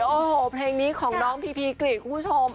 โอ้โหเพลงนี้ของน้องพีพีกรีดคุณผู้ชม